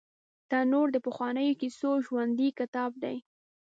تنور د پخوانیو کیسو ژوندي کتاب دی